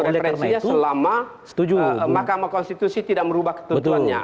referensinya selama mahkamah konstitusi tidak merubah ketentuannya